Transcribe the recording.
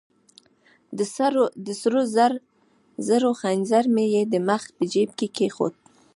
د سرو زرو ځنځیر مې يې د مخ په جیب کې کېښود.